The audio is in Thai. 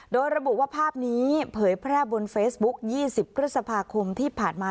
โดยระบุว่าภาพนี้เผยแพร่บนเฟซบุ๊ค๒๐พฤษภาคมที่ผ่านมา